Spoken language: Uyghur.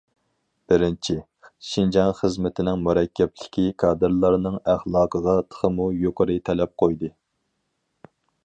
بىرىنچى، شىنجاڭ خىزمىتىنىڭ مۇرەككەپلىكى كادىرلارنىڭ ئەخلاقىغا تېخىمۇ يۇقىرى تەلەپ قويدى.